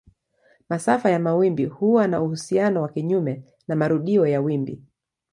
Masafa ya mawimbi huwa na uhusiano wa kinyume na marudio ya wimbi.